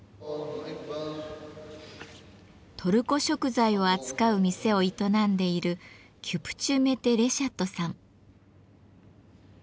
トルコ食材を扱う店を営んでいるキュプチュ・メテ・レシャットさん。